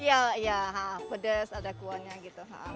iya pedas ada kuahnya gitu